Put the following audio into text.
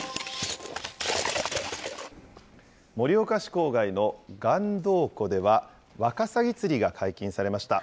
盛岡市郊外の岩洞湖では、ワカサギ釣りが解禁されました。